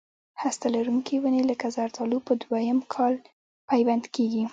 هسته لرونکي ونې لکه زردالو په دوه یم کال پیوند کېږي.